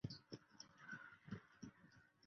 慕容廆后为其在辽西侨置乐浪郡。